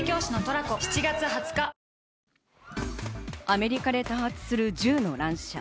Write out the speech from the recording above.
アメリカで多発する銃の乱射。